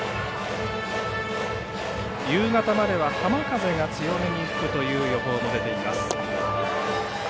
夕方までは浜風が強めに吹くという予報も出ています。